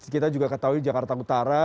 kita juga ketahui jakarta utara